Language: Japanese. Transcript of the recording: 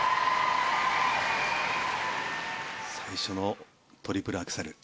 最初のトリプルアクセル。